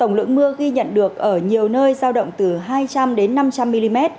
tổng lượng mưa ghi nhận được ở nhiều nơi giao động từ hai trăm linh đến năm trăm linh mm